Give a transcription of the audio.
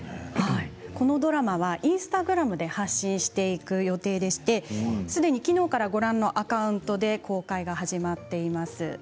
このドラマはインスタグラムで発信していく予定でしてすでに、きのうからご覧のアカウントで公開が始まっています。